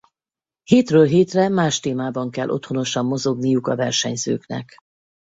Hétről hétre más témában kell otthonosan mozogniuk a versenyzőknek.